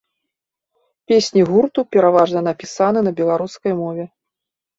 Песні гурту пераважна напісаны на беларускай мове.